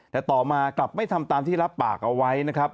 แต่ต่อมากลับไม่ทำตามที่รับปากเอาไว้นะครับ